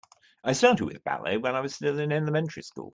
I started with ballet when I was still in elementary school.